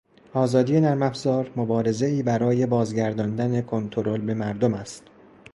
آزادی نرمافزار مبارزهای برای بازگرداندن کنترل به مردم است